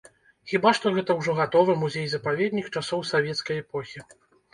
Хіба што гэта ўжо гатовы музей-запаведнік часоў савецкай эпохі.